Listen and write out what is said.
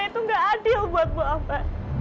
itu enggak adil buat bu ambar